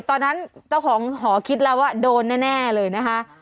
ตอนนั้นเจ้าของหอคิดแล้วว่าโดนแน่เลยนะคะ